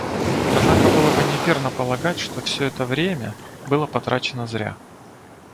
Однако было бы неверно полагать, что все это время было потрачено зря.